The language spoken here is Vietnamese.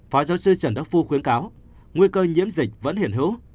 phó giáo sư trần đắc phu khuyến cáo nguy cơ nhiễm dịch vẫn hiện hữu